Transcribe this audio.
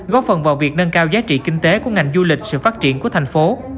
góp phần vào việc nâng cao giá trị kinh tế của ngành du lịch sự phát triển của thành phố